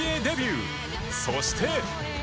そして